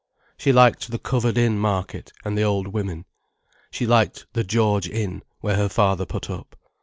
She liked the covered in market, and the old women. She liked the "George Inn", where her father put up.